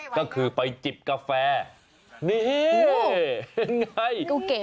ก็คือไปจิบกาแฟนี่เห็นไง